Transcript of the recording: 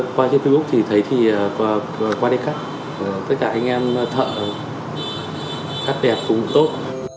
qua trên facebook thì thấy thì qua đây cắt tất cả anh em thợ cắt đẹp cũng tốt